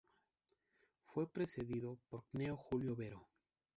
Fue precedido por Cneo Julio Vero.